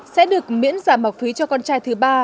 sẽ được miễn giảm học phí cho con trai thứ ba